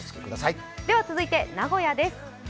続いて名古屋です。